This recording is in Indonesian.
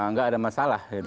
tidak ada masalah